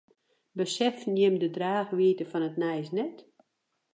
Beseften jimme de draachwiidte fan it nijs net?